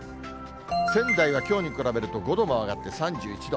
仙台はきょうに比べると５度も上がって３１度。